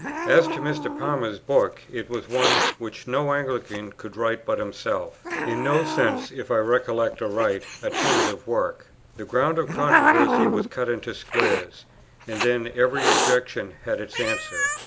As to Mr. Palmer's book, it was one which no Anglican could write but himself, in no sense, if I recollect aright, a tentative work. The ground of controversy was cut into squares, and then every objection had its answer.